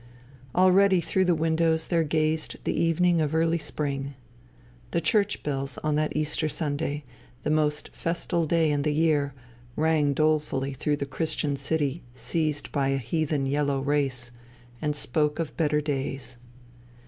Already through the windows there gazed the evening of early spring. The church bells on that Easter Sunday, the most festal day in the year, rang dolefully through the Christian city seized by a heathen yellow race, and spoke of better days.